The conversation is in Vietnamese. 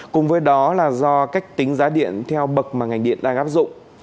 cùng với đó là do cách tính giá điện theo bậc mà ngành điện đã gấp dụng